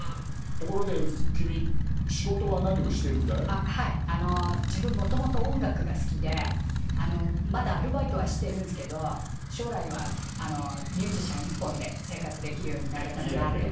あっはいあの自分もともと音楽が好きであのまだアルバイトはしてるんすけど将来はあのミュージシャン一本で生活できるようになれたらなって。